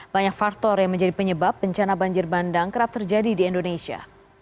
banyak faktor yang menjadi penyebab bencana banjir bandang kerap terjadi di indonesia